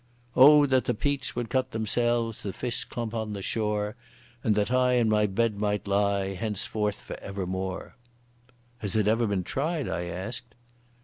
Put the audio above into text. O that the peats would cut themselves, The fish chump on the shore, And that I in my bed might lie Henceforth for ever more! "Has it ever been tried?" I asked.